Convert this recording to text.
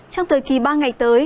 trong thời kỳ ba ngày tới